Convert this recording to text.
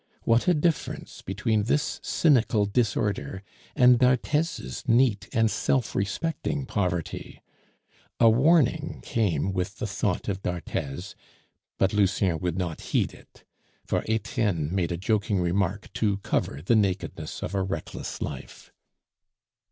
What a difference between this cynical disorder and d'Arthez's neat and self respecting poverty! A warning came with the thought of d'Arthez; but Lucien would not heed it, for Etienne made a joking remark to cover the nakedness of a reckless life.